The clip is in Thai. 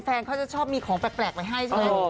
เขาจะชอบมีของแปลกไปให้ใช่ไหม